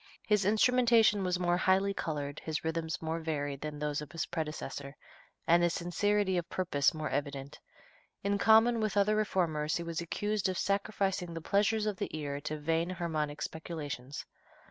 His instrumentation was more highly colored, his rhythms more varied than those of his predecessor, and his sincerity of purpose more evident. In common with other reformers he was accused of "sacrificing the pleasures of the ear to vain harmonic speculations."